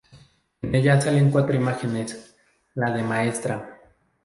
En ella salen cuatro imágenes: la de Ntra.